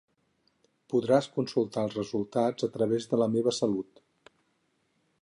Podràs consultar els resultats a través de La Meva Salut.